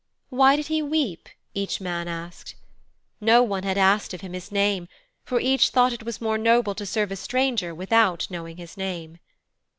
Why did he weep? each man asked. No one had asked of him his name, for each thought it was more noble to serve a stranger without knowing his name.